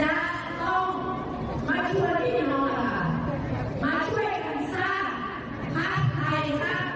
ข้าฝ่ายเขาเข้าคมมมีรายดีถ้าโลกภาคตาย